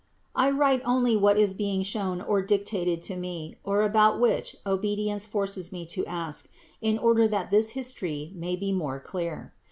I write only what is being shown or dictated to me, or about which obedience forces me to ask, in order that this history may be more THE INCARNATION 581 clear.